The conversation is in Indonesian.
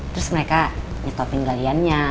terus mereka nyetopin galiannya